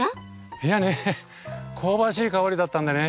いやね香ばしい香りだったんでね